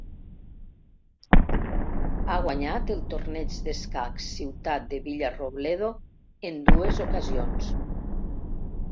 Ha guanyat el Torneig d'Escacs Ciutat de Villarrobledo en dues ocasions.